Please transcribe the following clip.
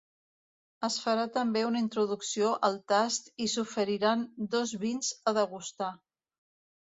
Es farà també una introducció al tast i s’oferiran dos vins a degustar.